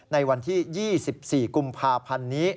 ในวันที่๒๔กุมภาพันธ์นี้